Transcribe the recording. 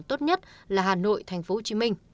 tốt nhất là hà nội tp hcm